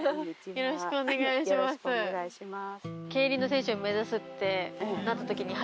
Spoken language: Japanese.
よろしくお願いします。